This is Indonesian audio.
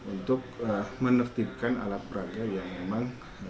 untuk menertibkan alat peraga yang memang